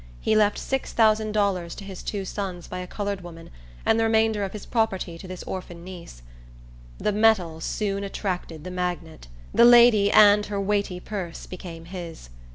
He left six thousand dollars to his two sons by a colored woman, and the remainder of his property to this orphan niece. The metal soon attracted the magnet. The lady and her weighty purse became his.